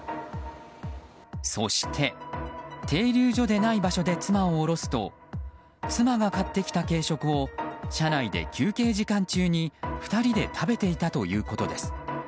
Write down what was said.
そして停留所でない場所で妻を降ろすと妻が買ってきた軽食を車内で休憩時間中に２人で食べていたということです。